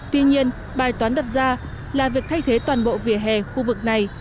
tuy nhiên bài toán đặt ra là việc thay thế toàn bộ vỉa hè khu vực này